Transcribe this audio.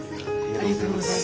ありがとうございます。